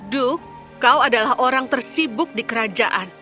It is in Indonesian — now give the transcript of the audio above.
duh kau adalah orang tersibuk di kerajaan